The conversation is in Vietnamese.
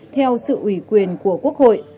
theo sự ủy quyền của quốc hội